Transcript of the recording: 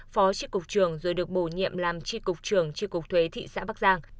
phó trị cục trường rồi được bổ nhiệm làm trị cục trường trị cục thuế thị xã bắc giang